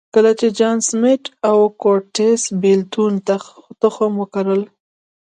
کله چې جان سمېت او کورټس بېلتون تخم وکرل.